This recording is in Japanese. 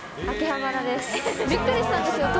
秋葉原です。